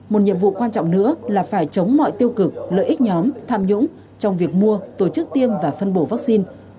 một nhiệm vụ quan trọng nữa là phải chống mọi tiêu cực lợi ích nhóm tham nhũng trong việc mua tổ chức tiêm và phân bổ vaccine